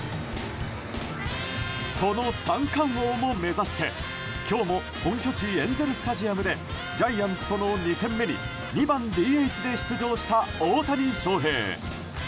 この三冠王も目指して今日も本拠地エンゼル・スタジアムでジャイアンツとの２戦目に２番ＤＨで出場した大谷翔平。